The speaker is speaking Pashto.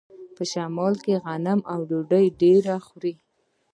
په شمال کې غنم او ډوډۍ ډیره خوري.